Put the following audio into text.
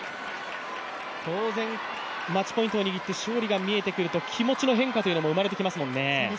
当然マッチポイントにいって勝利が見えてくると気持ちの変化が生まれてきますもんね。